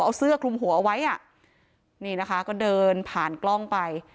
เอาเสื้อคลุมหัวเอาไว้อ่ะนี่นะคะก็เดินผ่านกล้องไป